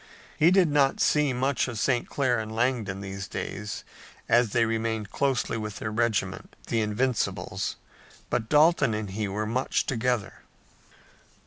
He did not see much of St. Clair and Langdon these days, as they remained closely with their regiment, the Invincibles, but Dalton and he were much together.